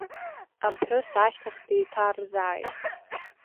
Аԥҳәыс ашьҭахь деиҭарзааит…